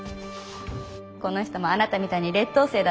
この人もあなたみたいに劣等生だったのよ。